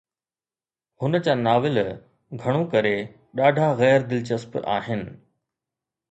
هن جا ناول، گهڻو ڪري، ڏاڍا غير دلچسپ آهن.